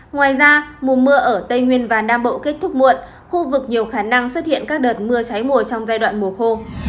ngoài ra mùa mưa ở tây nguyên và nam bộ kết thúc muộn khu vực nhiều khả năng xuất hiện các đợt mưa cháy mùa trong giai đoạn mùa khô